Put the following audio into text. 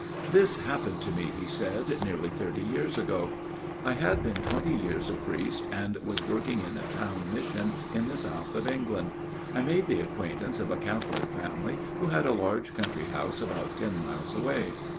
" This happened to me," he said, " nearly thirty years ago. I had been twenty years a priest, and was working in a town mission in the south of England. I made the acquaintance of a Catholic family who had a large country house about ten miles away.